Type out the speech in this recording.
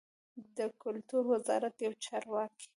د کلتور وزارت یو چارواکي